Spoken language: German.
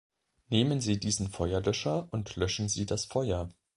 Nehmen Sie diesen Feuerlöscher und löschen Sie das Feuer!